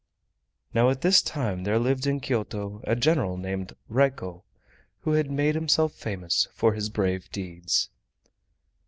Now at this time there lived in Kyoto a general named Raiko, who had made himself famous for his brave deeds.